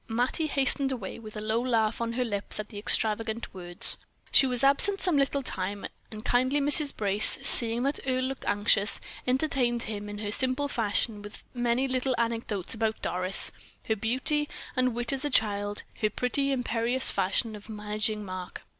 Mattie hastened away with a low laugh on her lips at the extravagant words. She was absent some little time, and kindly Mrs. Brace, seeing that Earle looked anxious, entertained him in her simple fashion with many little anecdotes about Doris, her beauty and wit as a child, her pretty, imperious fashion of managing Mark.